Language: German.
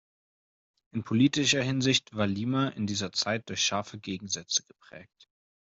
In politischer Hinsicht war Lima in dieser Zeit durch scharfe Gegensätze geprägt.